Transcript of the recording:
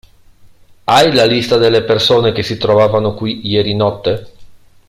Hai la lista delle persone che si trovavano qui ieri notte?